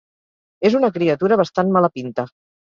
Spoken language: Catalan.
És una criatura bastant mala pinta.